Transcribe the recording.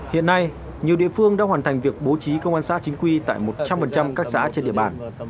hiện nay nhiều địa phương đã hoàn thành việc bố trí công an xã chính quy tại một trăm linh các xã trên địa bàn